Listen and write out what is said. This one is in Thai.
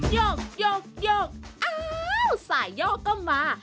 โยกโยกโยกอ้าวสายโยกก็มา